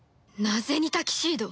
なぜにタキシード？